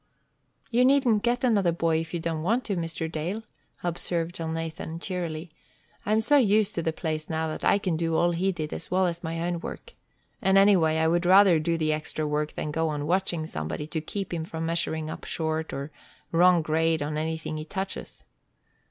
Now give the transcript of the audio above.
"You needn't get another boy if you don't want to, Mr. Dale," observed Elnathan, cheerily. "I am so used to the place now that I can do all he did, as well as my own work. And, anyway, I would rather do the extra work than go on watching somebody to keep him from measuring up short or wrong grade on everything he touches."